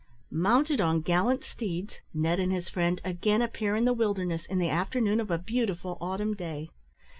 Mounted on gallant steeds, Ned and his friend again appear in the wilderness in the afternoon of a beautiful autumn day.